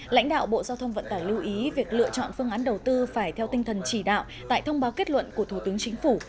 lãnh đạo bộ giao thông vận tải lưu ý việc lựa chọn phương án đầu tư phải theo tinh thần chỉ đạo tại thông báo kết luận của thủ tướng chính phủ